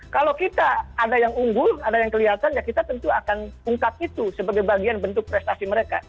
kalau kita ada yang unggul ada yang kelihatan ya kita tentu akan ungkap itu sebagai bagian bentuk prestasi mereka